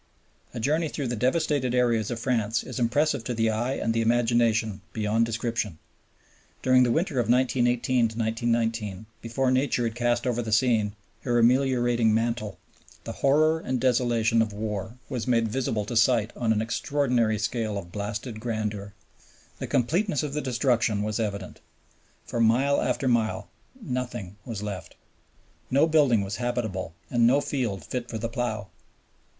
A journey through the devastated areas of France is impressive to the eye and the imagination beyond description. During the winter of 1918 19, before Nature had cast over the scene her ameliorating mantle, the horror and desolation of war was made visible to sight on an extraordinary scale of blasted grandeur. The completeness of the destruction was evident. For mile after mile nothing was left. No building was habitable and no field fit for the plow.